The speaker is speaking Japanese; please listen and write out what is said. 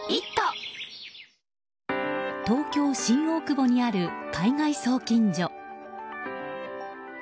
東京・新大久保にある海外送金所。